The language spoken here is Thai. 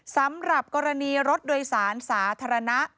สำหรับกรณีรถโดยสารสาธารณะ